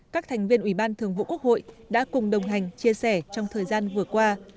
các thành viên ubnd đã cùng đồng hành chia sẻ trong thời gian vừa qua